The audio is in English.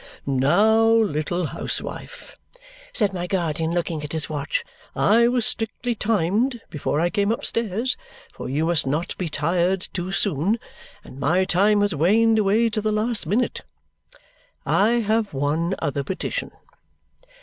"Now, little housewife," said my guardian, looking at his watch, "I was strictly timed before I came upstairs, for you must not be tired too soon; and my time has waned away to the last minute. I have one other petition.